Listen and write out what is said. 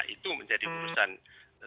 itu menjadi perusahaan